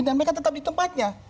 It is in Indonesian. dan mereka tetap di tempatnya